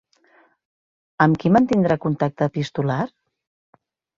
Amb qui mantindrà contacte epistolar?